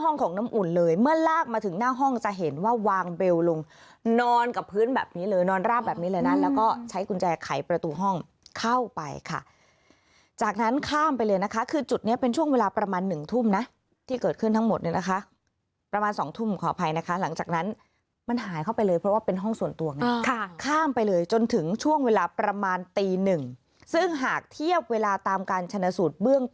นอนร่ามแบบนี้เลยนะแล้วก็ใช้กุญแจไขประตูห้องเข้าไปค่ะจากนั้นข้ามไปเลยนะคะคือจุดนี้เป็นช่วงเวลาประมาณหนึ่งทุ่มนะที่เกิดขึ้นทั้งหมดเนี่ยนะคะประมาณสองทุ่มขออภัยนะคะหลังจากนั้นมันหายเข้าไปเลยเพราะว่าเป็นห้องส่วนตัวค่ะข้ามไปเลยจนถึงช่วงเวลาประมาณตีหนึ่งซึ่งหากเทียบเวลาตามการชนะสูตรเบื้องต